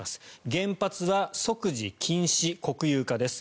原発は即時禁止・国有化です。